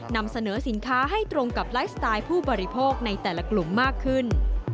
นำเสนอสินค้าให้ตรงกับไลฟ์สไตล์ผู้บริโภคในแต่ละกลุ่มมากขึ้น